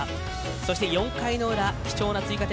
そして４回の裏貴重な追加点